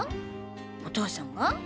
お父さんが？